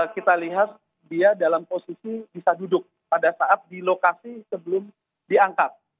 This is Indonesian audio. kita lihat dia dalam posisi bisa duduk pada saat di lokasi sebelum diangkat